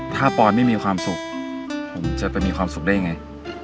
ถ้าปอนไม่มีความสุขผมจะไปมีความสุขได้ยังไง